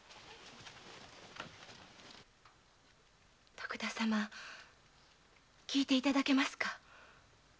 徳田様聞いていただけますか？